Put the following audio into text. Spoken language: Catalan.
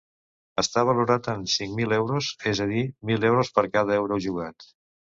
Està valorat amb cinc mil euros, és a dir, mil euros per cada euro jugat.